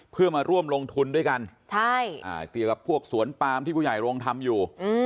เพื่อมาร่วมลงทุนด้วยกันเกี่ยวกับพวกสวนปามที่ผู้ใหญ่โรงทำอยู่